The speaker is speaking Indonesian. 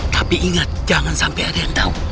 tapi ingat jangan sampai ada yang tahu